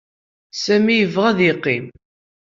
Sami yebɣa ad yeqqim.